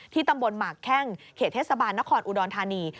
ตำบลหมากแข้งเขตเทศบาลนครอุดรธานี